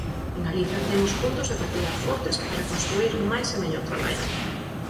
En Galiza temos puntos de partida fortes para construír máis e mellor traballo.